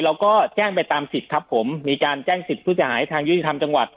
เราก็แจ้งไปตามสิทธิ์ครับผมมีการแจ้งสิทธิ์ผู้เสียหายทางยุติธรรมจังหวัด